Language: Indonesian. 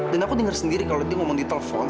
dan aku dengar sendiri kalau dia ngomong di telepon